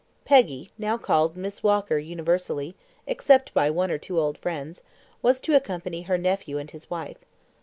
Peggy, now called Miss Walker universally, except by one or two old friends, was to accompany her nephew and his wife.